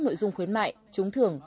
nội dung khuyến mại trúng thưởng